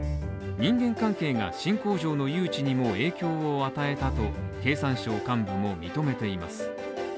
人間関係が新工場の誘致にも影響を与えたと経産省幹部も認めています。